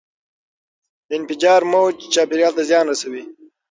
د انفجار موج چاپیریال ته زیان رسوي.